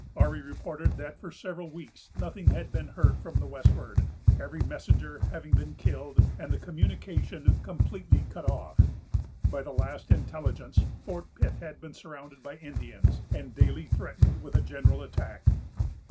Ourry reported that for several weeks nothing had been heard from the westward, every messenger having been killed and the communication completely cut off. By the last intelligence Fort Pitt had been surrounded by Indians, and daily threatened with a general attack.